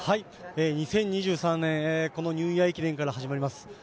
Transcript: ２０２３年このニューイヤー駅伝から始まります。